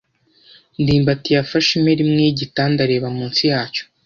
ndimbati yafashe impera imwe yigitanda areba munsi yacyo.